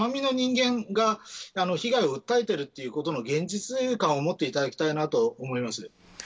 被害者がいて生身の人間が被害を訴えていることの現実感をもっていただきたいなと思います。